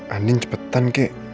anding cepetan kek